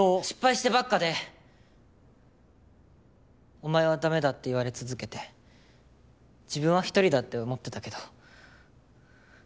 失敗してばっかでお前は駄目だって言われ続けて自分は一人だって思ってたけど。